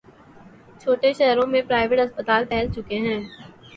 چھوٹے شہروں میں پرائیویٹ ہسپتال پھیل چکے ہیں۔